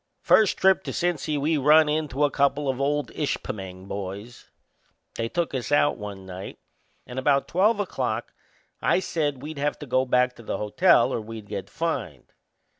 First trip to Cincy we run into a couple of old Ishpeming boys. They took us out one night, and about twelve o'clock I said we'd have to go back to the hotel or we'd get fined.